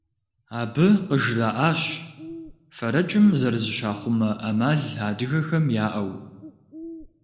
Абы къыжраӏащ фэрэкӏым зэрызыщахъумэ ӏэмал адыгэхэм яӏэу.